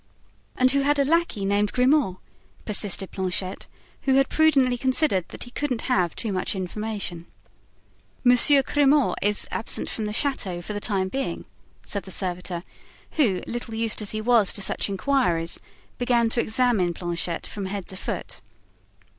"And who had a lackey named Grimaud?" persisted Planchet, who had prudently considered that he couldn't have too much information. "Monsieur Grimaud is absent from the chateau for the time being," said the servitor, who, little used as he was to such inquiries, began to examine Planchet from head to foot.